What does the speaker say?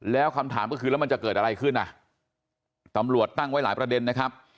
แล้วคำถามก็คือแล้วมันจะเกิดอะไรขึ้นอ่ะตำรวจตั้งไว้หลายประเด็นนะครับ